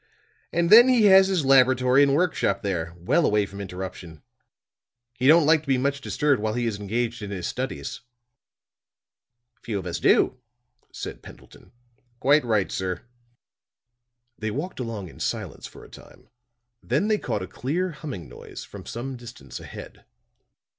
And then he has his laboratory and work shop there, well away from interruption. He don't like to be much disturbed while he is engaged in his studies." "Few of us do," said Pendleton. "Quite right, sir." They walked along in silence for a time; then they caught a clear humming noise from some distance ahead.